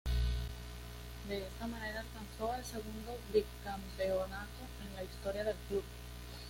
De esta manera alcanzó el segundo bicampeonato en la historia del club.